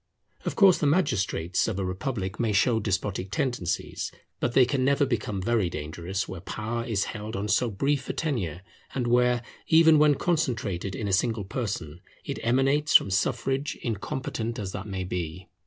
Of course the magistrates of a republic may show despotic tendencies; but they can never become very dangerous where power is held on so brief a tenure, and where, even when concentrated in a single person, it emanates from suffrage, incompetent as that may be.